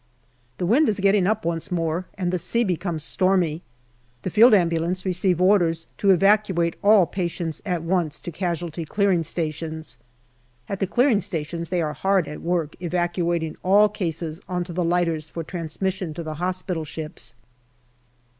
The wind is getting up once more, and the sea becomes stormy. The Field Ambulance receive orders to evacuate all patients at once to casualty clearing stations. At the clearing station they are hard at work evacuating all cases on to the lighters for transmission to the hospital ships.